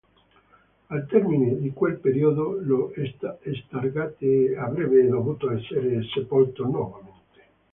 Al termine di quel periodo lo stargate avrebbe dovuto essere sepolto nuovamente.